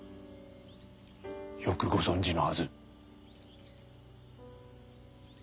よくご存じのはず。